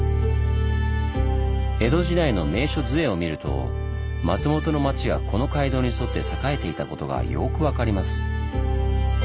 江戸時代の名所図会を見ると松本の町はこの街道に沿って栄えていたことがよく分かります。